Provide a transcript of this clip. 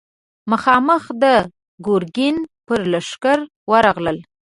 مخامخ د ګرګين پر لښکر ورغلل.